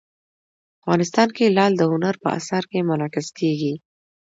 افغانستان کې لعل د هنر په اثار کې منعکس کېږي.